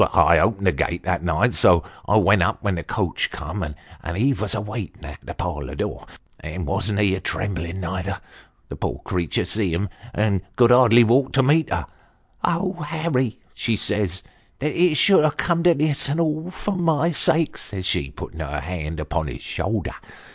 I opened the gate that night, so I went up when the coach come, and he vos a waitin' at the parlour door and wasn't he a trembling, neither ? The poor creetur see him, and could hardly walk to meet him. ' Oh, Harry !' she says, ' that it should have come to this ; and all for niy sake,' says she, putting her hand upon his shoulder.